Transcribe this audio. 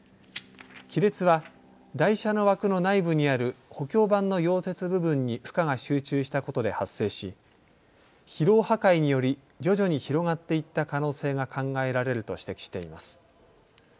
亀裂は、台車の枠の内部にある補強板の溶接部分に負荷が集中したことで発生し疲労破壊により徐々に広がっていった可能性が考えられると指摘しています。